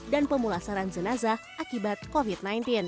dan pemulasaran jenazah akibat covid sembilan belas